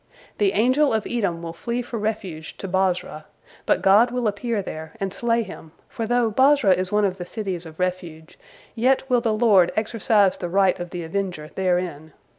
The angel of Edom will flee for refuge to Bozrah, but God will appear there, and slay him, for though Bozrah is one of the cities of refuge, yet will the Lord exercise the right of the avenger therein.